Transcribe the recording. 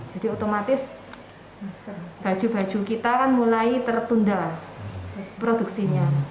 jadi otomatis baju baju kita kan mulai tertunda produksinya